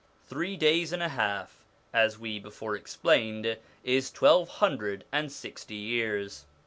Three days and a half, as we before explained, is twelve hundred and sixty years.